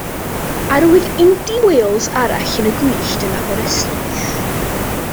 Arwydd indy Wales arall yn y gwyllt yn Aberystwyth.